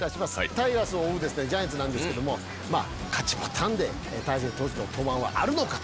タイガースを追うジャイアンツなんですけども勝ちパターンで大勢投手の登板はあるのかと。